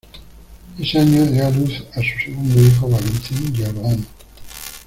Ese año dio a luz a su segundo hijo Valentín Giordano.